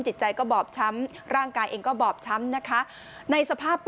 จิตใจก็บอบช้ำร่างกายเองก็บอบช้ำนะคะ